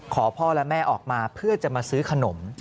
พ่อและแม่ออกมาเพื่อจะมาซื้อขนม